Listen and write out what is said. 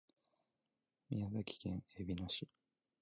宮崎県えびの市